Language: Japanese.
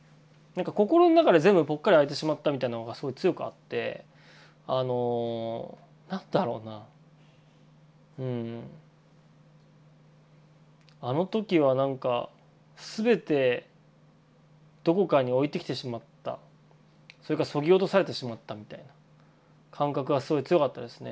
心の中で全部ぽっかり開いてしまったみたいなのがすごい強くあって何だろうなあの時はなんか全てどこかに置いてきてしまったそれか削ぎ落とされてしまったみたいな感覚はすごい強かったですね。